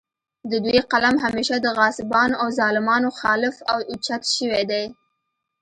د دوي قلم همېشه د غاصبانو او ظالمانو خالف اوچت شوے دے